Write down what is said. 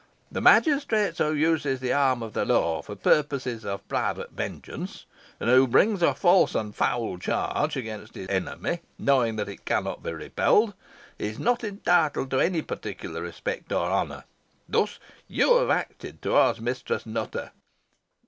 The magistrate who uses the arm of the law for purposes of private vengeance, and who brings a false and foul charge against his enemy, knowing that it cannot be repelled, is not entitled to any particular respect or honour. Thus have you acted towards Mistress Nutter.